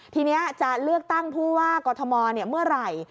ทีนี้จะเลือกตั้งผู้ว่ากอทมเมื่อไหร่